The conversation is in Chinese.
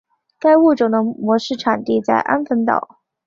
该物种的模式产地在安汶岛。